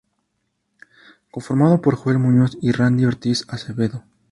Conformado por Joel Muñoz y Randy Ortiz Acevedo.